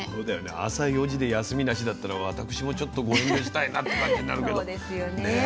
朝４時で休みなしだったら私もちょっとご遠慮したいなって感じになるけどね。